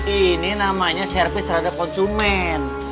ini namanya servis terhadap konsumen